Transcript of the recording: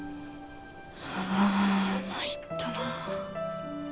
ああまいったな